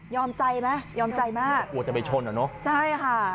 ใจไหมยอมใจมากกลัวจะไปชนอ่ะเนอะใช่ค่ะ